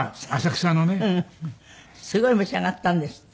すごい召し上がったんですって？